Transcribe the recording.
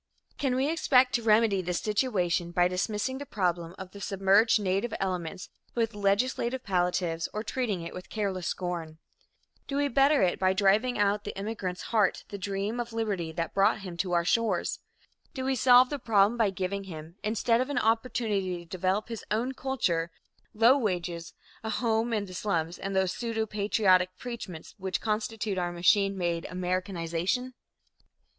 Can we expect to remedy this situation by dismissing the problem of the submerged native elements with legislative palliatives or treating it with careless scorn? Do we better it by driving out of the immigrant's heart the dream of liberty that brought him to our shores? Do we solve the problem by giving him, instead of an opportunity to develop his own culture, low wages, a home in the slums and those pseudo patriotic preachments which constitute our machine made "Americanization"?